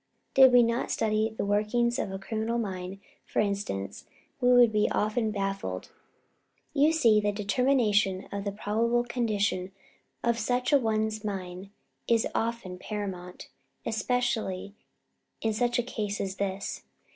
Did we not study the workings of a criminal's mind, for instance, we would often be baffled. You see, the determination of the probable condition of such a one's mind is often paramount, especially in such a case as this.